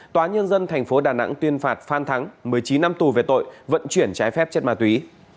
tòa nhân dân tp đà nẵng tuyên phạt phan thắng một mươi chín năm tù về tội vận chuyển trái phép chất ma túy